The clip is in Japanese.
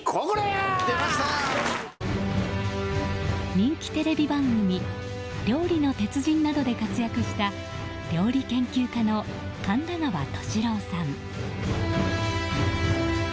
人気テレビ番組「料理の鉄人」などで活躍した料理研究家の神田川俊郎さん。